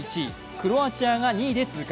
クロアチアが２位で通過。